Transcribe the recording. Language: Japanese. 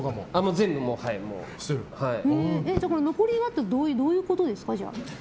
残り香ってどういうことですか？